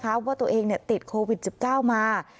เพราะว่าตัวเองติดโควิด๑๙มา